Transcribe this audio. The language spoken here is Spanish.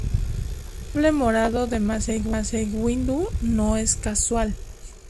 El sable morado de Mace Windu no es casual.